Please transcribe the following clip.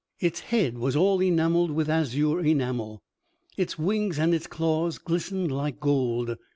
Its head was all enameled with azure enamel. Its wings and its claws glistened like gold.